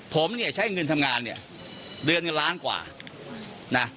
ผมเนี่ยใช้เงินทำงานเนี่ยเดือนล้านกว่านะ